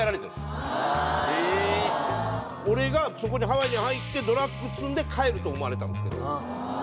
俺がハワイに入ってドラッグ積んで帰ると思われたんですけど。